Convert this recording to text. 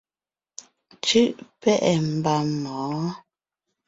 Cú’ pɛ́’ɛ mba mɔ̌ɔn.